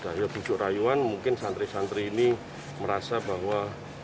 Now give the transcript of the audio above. dari bujuk rayuan mungkin santri santri ini merasa bahwa